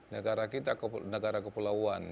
negara kita negara kepelauan